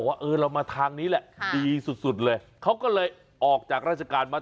ว่าเออเรามาทางนี้แหละดีสุดเลยเขาก็เลยออกจากราชการมา